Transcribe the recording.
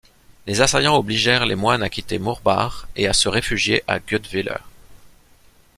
Les assaillants obligèrent les moines à quitter Murbach et à se réfugier à Guebwiller.